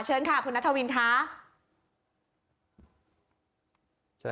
เชิญค่ะคุณณณะธวินค้า